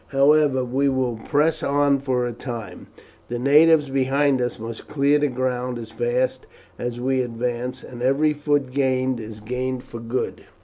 However, we will press on for a time. The natives behind us must clear the ground as fast as we advance, and every foot gained is gained for good."